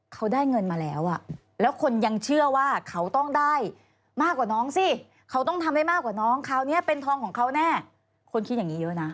เขาได้เงินมาแล้วอ่ะแล้วคนยังเชื่อว่าเขาต้องได้มากกว่าน้องสิเขาต้องทำให้มากกว่าน้องคราวนี้เป็นทองของเขาแน่คนคิดอย่างนี้เยอะนะ